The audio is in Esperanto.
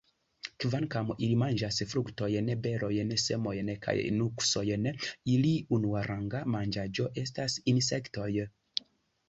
Kvankam ili manĝas fruktojn, berojn, semojn kaj nuksojn, ili unuaranga manĝaĵo estas insektoj.